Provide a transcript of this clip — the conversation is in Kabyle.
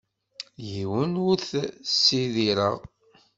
Yiwen ur t-ssidireɣ.